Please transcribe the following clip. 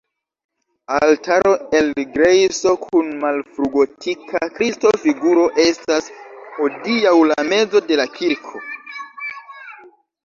Altaro el grejso kun malfrugotika Kristo-figuro estas hodiaŭ la mezo de la kirko.